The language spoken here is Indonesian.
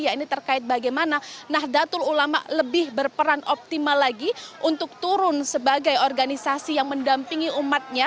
ya ini terkait bagaimana nahdlatul ulama lebih berperan optimal lagi untuk turun sebagai organisasi yang mendampingi umatnya